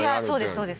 そうです